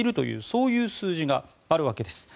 そういう数字があるわけです。